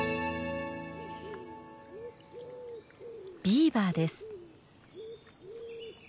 ビーバーです。